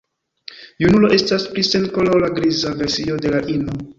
Junulo estas pli senkolora griza versio de la ino.